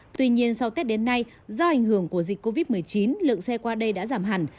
tuy nhiên sau tết đến nay do ảnh hưởng của dịch covid một mươi chín lượng xe qua đây đã giảm hẳn